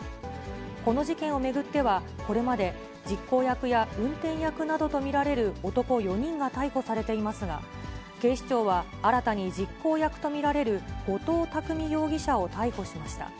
この事件を巡っては、これまで実行役や運転役などと見られる男４人が逮捕されていますが、警視庁は新たに実行役と見られる後藤巧容疑者を逮捕しました。